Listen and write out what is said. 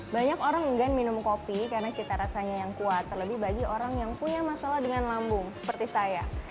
banyak orang enggan minum kopi karena cita rasanya yang kuat terlebih bagi orang yang punya masalah dengan lambung seperti saya